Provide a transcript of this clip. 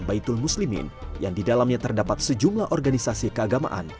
baitul muslimin yang didalamnya terdapat sejumlah organisasi keagamaan